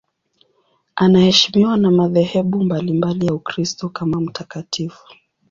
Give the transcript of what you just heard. Anaheshimiwa na madhehebu mbalimbali ya Ukristo kama mtakatifu.